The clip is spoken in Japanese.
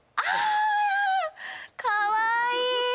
かわいい！